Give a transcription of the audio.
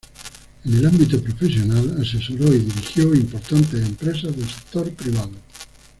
En el ámbito profesional, asesoró y dirigió importantes empresas del sector privado.